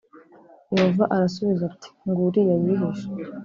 Yehova arasubiza ati nguriya yihishe.